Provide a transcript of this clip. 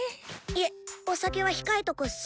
いえっお酒は控えとくっす！